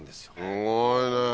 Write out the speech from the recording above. すごいね！